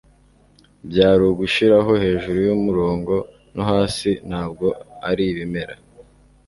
Byari ugushiraho hejuru yumurongo no hasi ntabwo ari ibimera